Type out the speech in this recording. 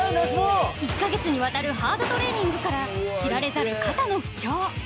１カ月にわたるハードトレーニングから知られざる肩の不調